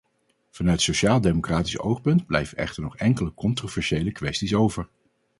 Vanuit sociaaldemocratisch oogpunt blijven echter nog enkele controversiële kwesties over.